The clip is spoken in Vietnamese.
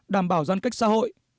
đảm bảo gian cách xã hội